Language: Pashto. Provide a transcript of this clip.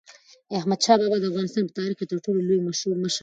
احمدشاه بابا د افغانستان په تاریخ کې تر ټولو لوی مشر و.